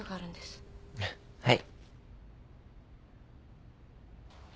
はい。